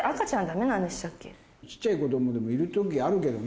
小っちゃい子供でもいる時あるけどね。